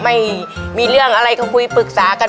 ไม่มีเรื่องอะไรก็คุยปรึกษากัน